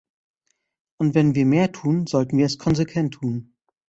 Und wenn wir mehr tun, sollten wir es konsequent tun.